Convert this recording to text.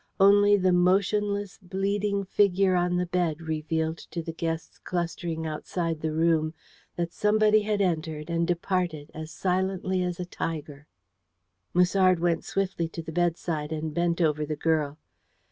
Only the motionless, bleeding figure on the bed revealed to the guests clustering outside the room that somebody had entered and departed as silently as a tiger. Musard went swiftly to the bedside and bent over the girl.